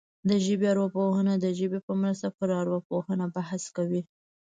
د ژبې ارواپوهنه د ژبې په مرسته پر ارواپوهنه بحث کوي